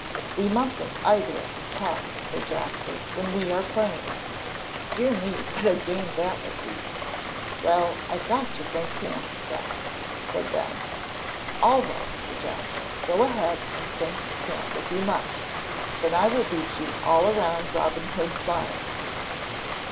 We mustn't either of us talk," said Jasper, "when we are playing. Dear me, what a game that would be!" "Well, I've got to think camp, then," said Ben. "All right," said Jasper, "go ahead and think camp, if you must. Then I will beat you all around Robin Hood's barn."